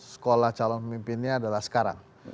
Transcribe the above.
sekolah calon pemimpinnya adalah sekarang